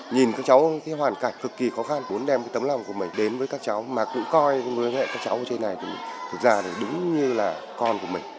nhìn các cháu cái hoàn cảnh cực kỳ khó khăn muốn đem cái tấm lòng của mình đến với các cháu mà cũng coi mẹ các cháu ở trên này thì thực ra thì đúng như là con của mình